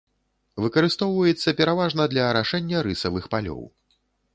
Выкарыстоўваецца пераважна для арашэння рысавых палёў.